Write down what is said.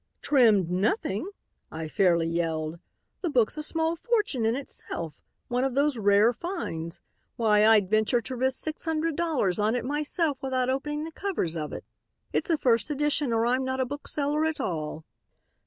"'Trimmed nothing!' I fairly yelled. 'The book's a small fortune in itself; one of those rare finds. Why I'd venture to risk six hundred dollars on it myself without opening the covers of it. It's a first edition or I'm not a book seller at all.'